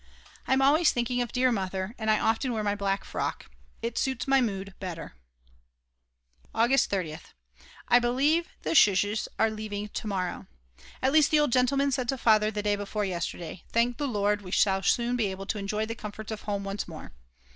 I'm always thinking of dear Mother, and I often wear my black frock. It suits my mood better. August 30th. I believe the Schs. are leaving to morrow. At least the old gentleman said to Father the day before yesterday: "Thank the Lord, we shall soon be able to enjoy the comforts of home once more."